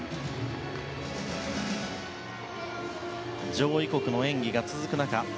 上位国の演技が続く中